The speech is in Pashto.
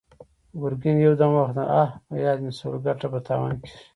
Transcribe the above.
ګرګين يودم وخندل: اه! په ياد مې شول، ګټه په تاوان کېږي!